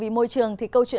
vì vậy tôi chỉ muốn hỗ trợ